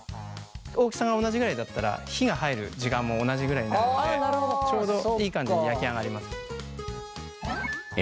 大きさが同じぐらいだったら火が入る時間も同じぐらいになるのでちょうどいい感じに焼き上がります。